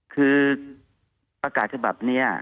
คือประกาศทธิบัตินี้